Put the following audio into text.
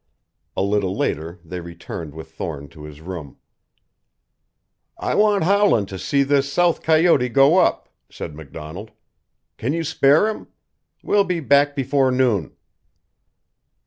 A little later they returned with Thorne to his room. "I want Howland to see this south coyote go up," said MacDonald. "Can you spare him? We'll be back before noon."